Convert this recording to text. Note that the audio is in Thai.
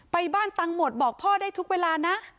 ไปบ้านตังหมดบอกพ่อได้ทุกเวลานะ